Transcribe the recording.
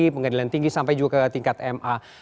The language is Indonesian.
pengadilan tinggi sampai juga ke tingkat ma